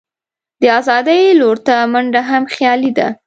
د آزادۍ لور ته منډه هم خیالي ده.